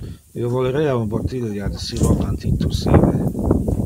Io volerea un bottilia de sirop antitussive.